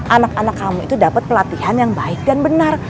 anak anak kamu itu dapat pelatihan yang baik dan benar